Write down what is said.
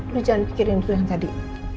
lu jangan pikirin itu yang tadi